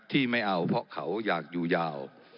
ที่ไม่เอาเพราะเขาอยากอยู่ยาว